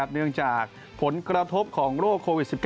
เนื่องจากผลกระทบของโรคโควิด๑๙